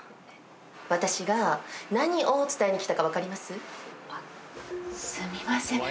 私が何を伝えに来たか分かります？